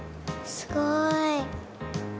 すごい。